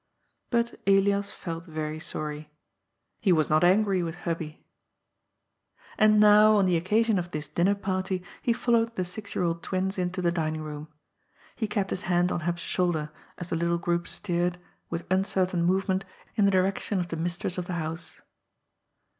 But Elias felt very sorry. He was not angry with Hubby. And now, on the occasion of this dinner party, he followed the six year old twins into the dining room. He kept his hand on Hub's shoulder, as the little group steered. THE NEW LIFE BEGINa 81 with uncertain moyement, in the direction of the mistress of the house.